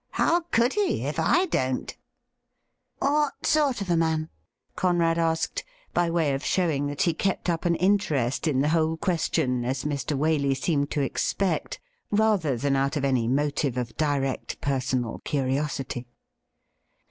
How could he, if I don't T ' What sort of a man ? Conrad asked, by way of showing that he kept up an interest in the whole question, as Mr. Waley seemed to expect, rather than out of any motive of direct personal curiosity.